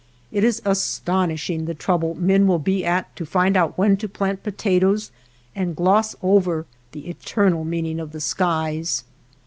It is astonishins: the trouble men will be at to find out when to plant potatoes, and gloze over the eternal meaning of the skies.